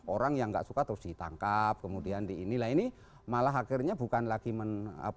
orang yang nggak suka terus ditangkap kemudian di inilah ini malah akhirnya bukan lagi